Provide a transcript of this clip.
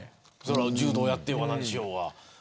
柔道やっていようが何しようが。